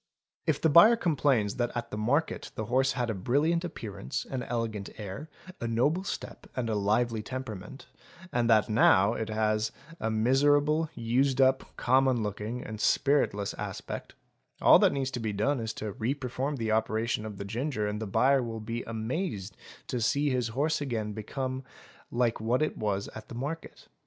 If the buyer complains that at the market the horse had a brilliant appearance, an elegant air, a noble step, and a lively temperament, and that it now has a miserable, used up, common looking, and spiritless aspect, all that need be done is to reperform the operation of the ginger and the buyer will be amazed to see his horse become again like what it was at the market.